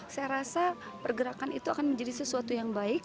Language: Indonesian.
saya rasa pergerakan itu akan menjadi sesuatu yang baik